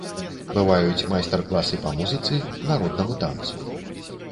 Бываюць майстар-класы па музыцы, народнаму танцу.